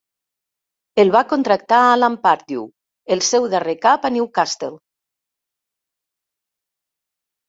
El va contractar Alan Pardew, el seu darrer cap a Newcastle.